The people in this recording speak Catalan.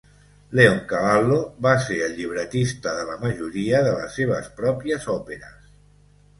Leoncavallo va ser el llibretista de la majoria de les seves pròpies òperes.